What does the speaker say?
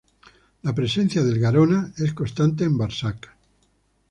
La presencia del Garona es constante en Barsac.